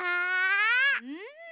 うん。